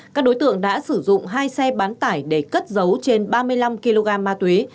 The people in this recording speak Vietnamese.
các đối tượng đã sử dụng hai xe bán tải để cất dấu trên ba mươi năm kg ma túy